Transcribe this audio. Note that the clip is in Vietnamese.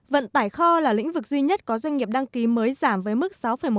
vận tải kho là lĩnh vực duy nhất có doanh nghiệp đăng ký mới giảm với mức sáu một